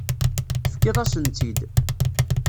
Tefkiḍ-asen-tt-id.